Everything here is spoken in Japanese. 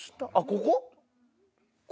ここ？